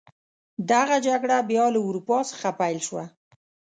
دغه جګړه بیا له اروپا څخه پیل شوه.